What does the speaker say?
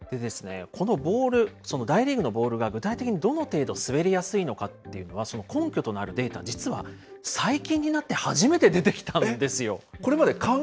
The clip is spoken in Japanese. で、このボール、大リーグのボールが、具体的にどの程度滑りやすいのかというのは、根拠となるデータ、実は最近になって初めて出てきたんですよ。